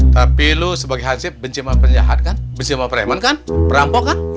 tapi lu sebagai hancib benci sama penjahat kan benci sama preman kan perampok kan